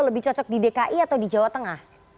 lebih cocok di dki atau di jawa tengah